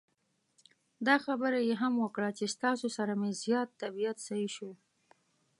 دا خبره یې هم وکړه چې ستاسو سره مې زیات طبعیت سهی شو.